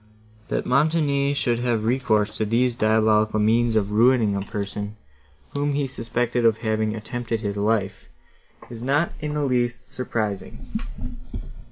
That Montoni should have recourse to these diabolical means of ruining a person, whom he suspected of having attempted his life, is not in the least surprising.